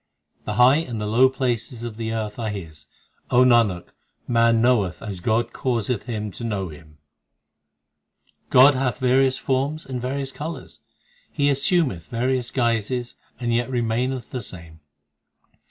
The high and the low places of the earth are His O Nanak, man knoweth as God causeth him to know Him. 4 God hath various forms and various colours ; He assumeth various guises, and yet remaineth the same.